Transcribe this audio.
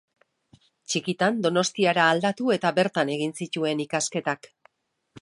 Txikitan Donostiara aldatu eta bertan egin zituen ikasketak.